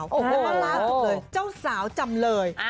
แล้วก็ล่าสุดเลยเจ้าสาวจำเลย